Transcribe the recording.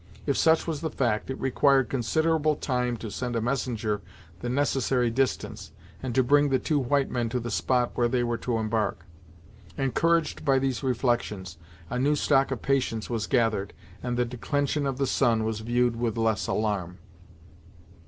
If such was the fact, it required considerable time to send a messenger the necessary distance, and to bring the two white men to the spot where they were to embark. Encouraged by these reflections, a new stock of patience was gathered, and the declension of the sun was viewed with less alarm.